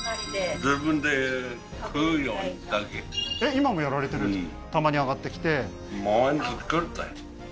今もやられてるんですか？